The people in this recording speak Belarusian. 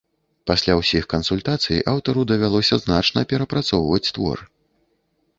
Пасля ўсіх кансультацый аўтару давялося значна перапрацоўваць твор.